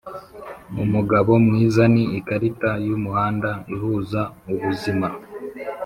umugabo mwiza ni ikarita yumuhanda ihuza ubuzima